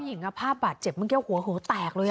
ผู้หญิงภาพบาดเจ็บมันเกี่ยวหัวแตกเลยอะ